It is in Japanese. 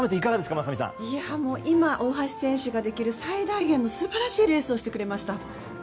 今、大橋さんができる最大限の素晴らしいレースをしてくれました。